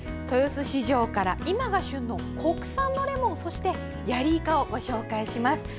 豊洲市場から、今が旬の国産のレモンそしてヤリイカをご紹介します。